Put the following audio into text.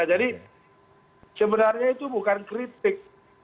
jadi sebenarnya itu bukan kritik